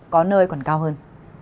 có nơi còn cao hơn